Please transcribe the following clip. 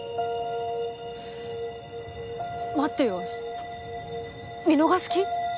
待ってよ見逃す気？